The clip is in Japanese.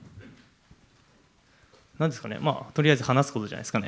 なんですかね、とりあえず話すことじゃないですかね。